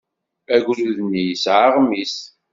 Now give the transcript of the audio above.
Agrud-nni yesɛa aɣmis.